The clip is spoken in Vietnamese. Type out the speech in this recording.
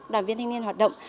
đoàn viên thanh niên hoạt động